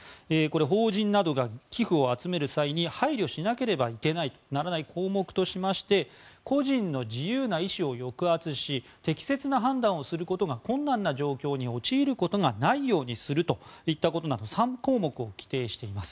法人などが寄付を集める際に配慮しなければいけない項目としまして個人の自由な意思を抑圧し適切な判断をすることが困難な状況に陥ることがないようにするなどといったことが３項目を規定しています。